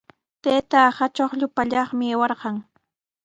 Taytaaqa chuqllu pallaqmi aywarqun.